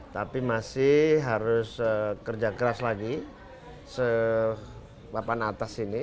tapi masih harus kerja keras lagi sepapan atas ini